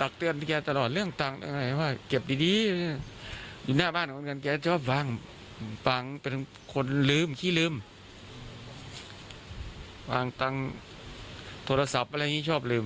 ตังค์โทรศัพท์อะไรอย่างนี้ชอบลืม